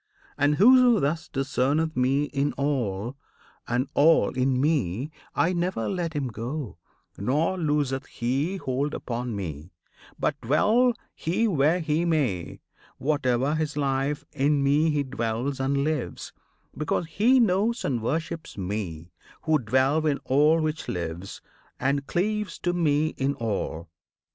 And whoso thus Discerneth Me in all, and all in Me, I never let him go; nor looseneth he Hold upon Me; but, dwell he where he may, Whate'er his life, in Me he dwells and lives, Because he knows and worships Me, Who dwell In all which lives, and cleaves to Me in all.